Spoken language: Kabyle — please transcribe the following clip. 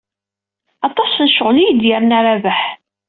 Aṭas n ccɣel i yi-d-yerna Rabaḥ.